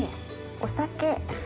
お酒。